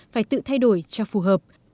phải tự thay đổi cho phù hợp